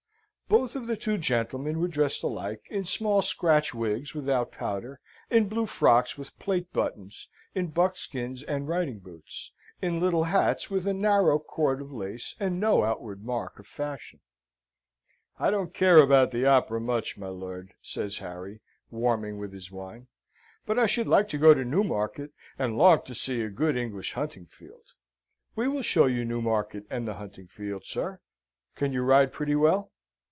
Both of the two gentlemen were dressed alike, in small scratch wigs without powder, in blue frocks with plate buttons, in buckskins and riding boots, in little hats with a narrow cord of lace, and no outward mark of fashion. "I don't care about the Opera much, my lord," says Harry, warming with his wine; "but I should like to go to Newmarket, and long to see a good English hunting field." "We will show you Newmarket and the hunting field, sir. Can you ride pretty well?"